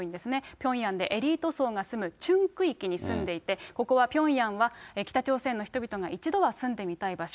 ピョンヤンでエリート層が住むチュン区域に住んでいて、ここはピョンヤンは北朝鮮の人々が一度は住んでみたい場所。